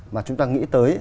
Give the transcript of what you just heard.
mà chúng ta nghĩ tới